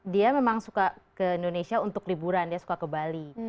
dia memang suka ke indonesia untuk liburan dia suka ke bali